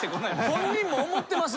本人も思ってます。